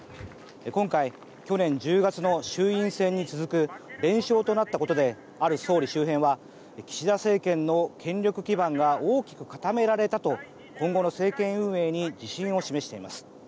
今回、去年１０月の衆院選に続く連勝となったことである総理周辺は岸田政権の権力基盤が大きく固められたと今後の政権運営に自信を示しています。